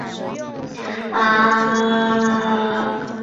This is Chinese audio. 宜兰县礁溪乡二龙村成为兰阳汉人最早居住开发的地区。